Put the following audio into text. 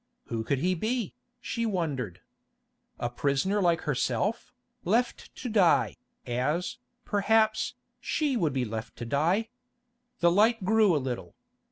Who could he be, she wondered? A prisoner like herself, left to die, as, perhaps, she would be left to die? The light grew a little.